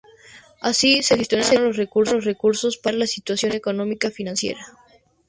Así, se gestionaron los recursos para aliviar la situación económico-financiera.